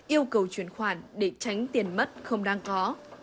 yêu cầu chuyển khoản để tránh tiền mất không đáng có